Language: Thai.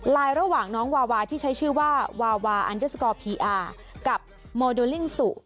ระหว่างน้องวาวาที่ใช้ชื่อว่าวาวาอันเดอร์สกอร์พีอาร์กับโมเดลลิ่งสุ